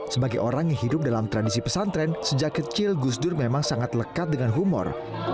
sebagai orang yang hidup dalam tradisi pesantren sejak kecil gus dur memang sangat lekat dengan humor